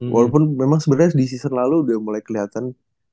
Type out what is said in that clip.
walaupun memang sebenernya di season lalu udah mulai keliatan